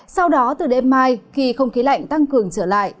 sau đó từ đêm mai khi không khí lạnh tăng cường trở lại